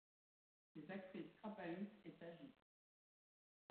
Les actrices crapahutent et s'agitent.